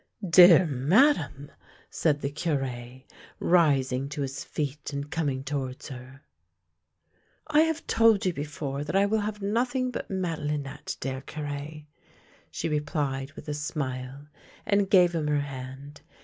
" Dear Madame! " said the Cure, rising to his feet and coming towards her. " I have told you before that I will have nothing but * Madelinette,' dear Cure," she replied with a smile, and gave him her hand.